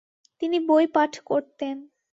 তিনি বই পাঠ করতেন।